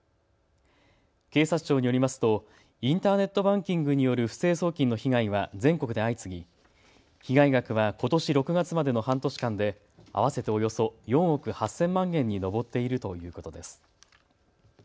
警察庁によりますとインターネットバンキングによる不正送金の被害は全国で相次ぎ被害額はことし６月までの半年間で合わせておよそ４億８０００万円に上っているということです。